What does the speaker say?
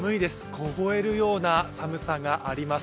凍えるような寒さがあります。